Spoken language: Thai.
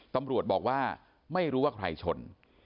ตำรวจบอกว่าไม่รู้ว่าใครชน